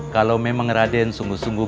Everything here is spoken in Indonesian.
kalau memang raden sungguh sungguh